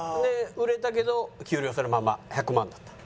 売れたけど給料制のまま１００万だったの。